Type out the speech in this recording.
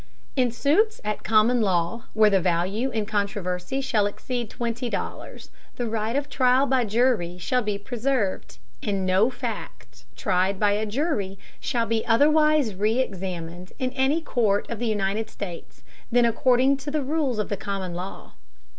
In suits at common law, where the value in controversy shall exceed twenty dollars, the right of trial by jury shall be preserved, and no fact tried by a jury shall be otherwise re examined in any Court of the United States, than according to the rules of the common law.